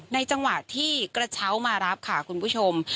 จังหวะที่กระเช้ามารับค่ะคุณผู้ชม